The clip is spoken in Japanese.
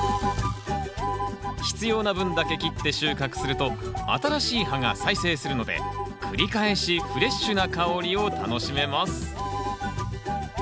必要な分だけ切って収穫すると新しい葉が再生するので繰り返しフレッシュな香りを楽しめます。